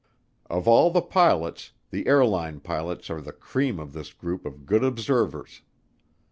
Of all the pilots, the airline pilots are the cream of this group of good observers.